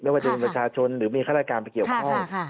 ไม่ว่าจะเป็นประชาชนหรือมีคลักษณะการไปเกี่ยวข้อง